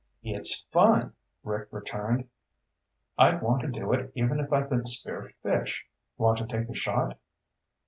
"It's fun," Rick returned. "I'd want to do it even if I could spear fish. Want to take a shot?"